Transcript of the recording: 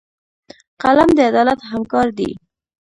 قلم د عدالت همکار دی